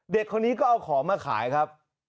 เด็กคนนี้ก็เอาของมาขายครับ